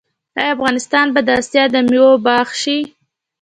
آیا افغانستان به د اسیا د میوو باغ شي؟